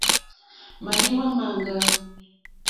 Màlìwá máŋɡâ.